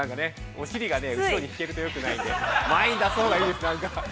お尻が後ろに来ているとよくないんで、前に出すほうがいいです。